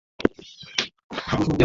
আমার পৈতৃক শহর বার্সেলোনায় স্বাগত।